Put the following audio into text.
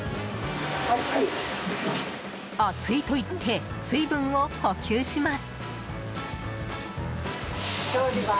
暑いと言って水分を補給します。